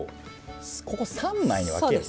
ここ３枚に分ける。